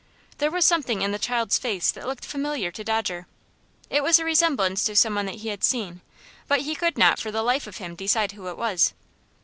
There was something in the child's face that looked familiar to Dodger. It was a resemblance to some one that he had seen, but he could not for the life of him decide who it was.